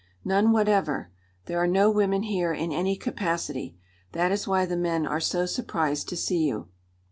"None whatever. There are no women here in any capacity. That is why the men are so surprised to see you."